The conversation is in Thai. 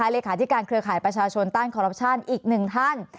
เลขาธิการเครือข่ายประชาชนต้านคอรัปชั่นอีกหนึ่งท่าน